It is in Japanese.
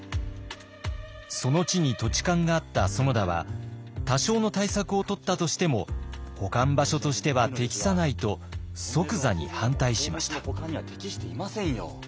その地に土地勘があった園田は多少の対策をとったとしても保管場所としては適さないと即座に反対しました。